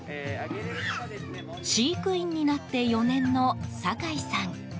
飼育員になって４年の酒井さん。